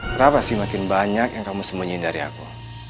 kenapa sih makin banyak yang kamu sembunyi dari aku